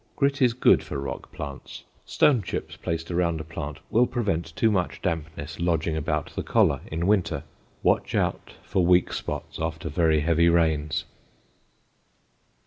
Grit is good for rock plants. Stone chips placed around a plant will prevent too much dampness lodging about the collar in winter. Watch out for weak spots after very heavy rains.